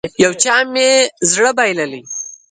يو چا مې زړه بايللی.